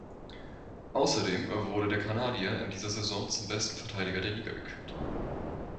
Außerdem wurde der Kanadier in dieser Saison zum besten Verteidiger der Liga gekürt.